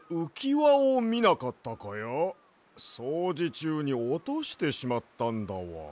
そうじちゅうにおとしてしまったんだわ。